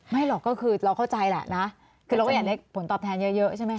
หรอกก็คือเราเข้าใจแหละนะคือเราก็อยากได้ผลตอบแทนเยอะใช่ไหมค